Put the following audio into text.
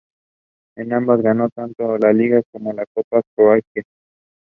Rigel is name of the brightest star in the constellation Orion.